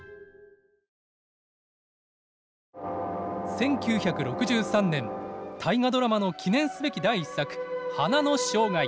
１９６３年「大河ドラマ」の記念すべき第１作「花の生涯」。